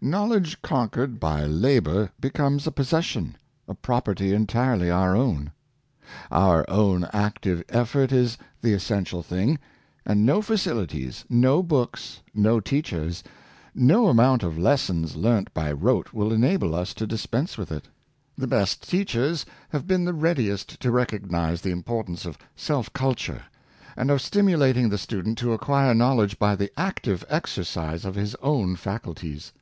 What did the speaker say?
Knowledge conquered by labor becomes a possession — a property entirely our owru Our own active effort is the essential thing; and no facilities, no books, no teach ers, no amount of lessons learnt by rote will enable us to dispense with it. Importance of Self culture, 295 The best teachers have been the readiest to recog nize the importance of self culture, and of stimulating the student to acquire knowledge by the active exercise of his own faculties.